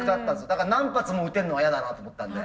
だから何発も打てるのは嫌だなと思ったんで。